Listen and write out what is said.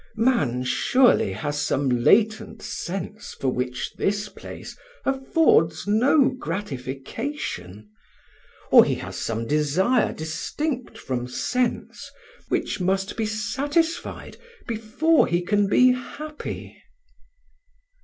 Man surely has some latent sense for which this place affords no gratification; or he has some desire distinct from sense, which must be satisfied before he can be happy."